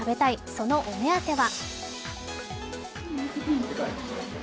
そのお目当ては。